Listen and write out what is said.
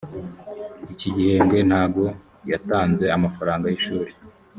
iki gihembwe ntago yatanze amafaranga y’ ishuri